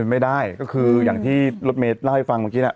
เป็นไปไม่ได้ก็คืออย่างที่รถเมธน่าให้ฟังเมื่อกี้แหละ